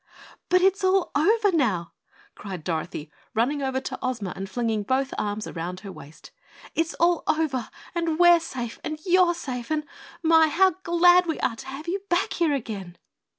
"But it's all over now," cried Dorothy, running over to Ozma and flinging both arms round her waist. "It's all over and we're safe and you're safe, and my, how glad we are to have you back here again!"